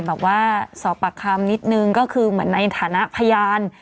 บอกว่าสอบปากคำนิดนึงก็คือเหมือนในฐานะพยาน